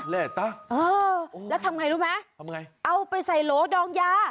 แล้วทำไงรู้ไหมเอาไปใส่โหลดองยา